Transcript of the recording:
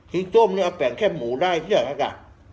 ที่ส้มเนี่ยเอาแปลงแค่หมูได้เหี้ยไอ้ค่ะ